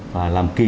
và làm kỳ